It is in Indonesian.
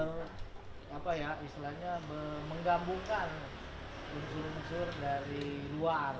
untuk menggambungkan unsur unsur dari luar